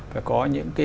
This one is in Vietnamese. phải có những cái